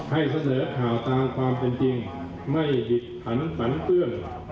ให้เสนอข่าวตามความเป็นจริงไม่ผิดขันปันเปื้อน